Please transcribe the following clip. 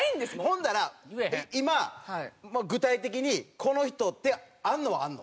ほんだら今具体的にこの人ってあるのはあるの？